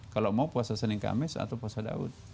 kalau mau puasa senin kamis atau puasa daud